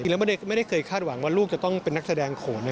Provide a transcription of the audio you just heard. พี่กัปตันบอกว่าไม่ได้เคยคาดหวังว่าลูกจะต้องเป็นนักแสดงขน